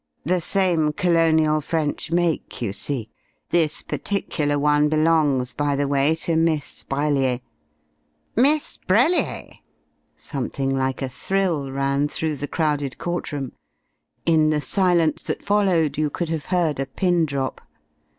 The same colonial French make, you see. This particular one belongs, by the way, to Miss Brellier." "Miss Brellier!" Something like a thrill ran through the crowded court room. In the silence that followed you could have heard a pin drop.